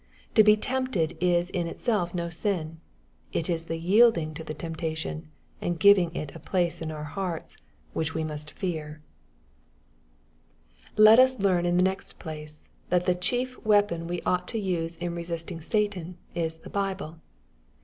To be tempted is in itself no sin. It is the yielding tq^the temptation, and giving it a place in our hearts, which we must fear. 2 36 VXPOSITOBT THOUGHTS. Let U8 learn in the next place, thai ih e^ chief weap<m we ought to use in resMng Satan is the Bible.